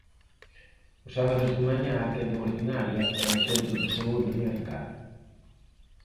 Os sábados de mañá a quenda ordinaria é no Centro de Saúde de Arcade.